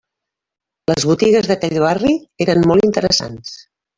Les botigues d'aquell barri eren molt interessants.